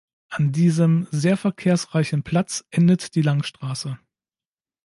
An diesem sehr verkehrsreichen Platz endet die Langstrasse.